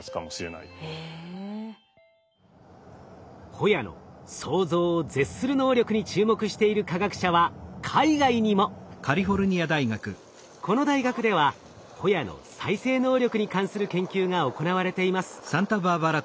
ホヤの想像を絶する能力に注目している科学者は海外にも！この大学ではホヤの再生能力に関する研究が行われています。